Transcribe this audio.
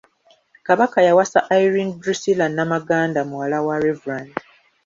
Kabaka yawasa Irene Drusilla Namaganda, muwala wa Reverand.